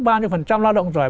bao nhiêu phần trăm lao động giỏi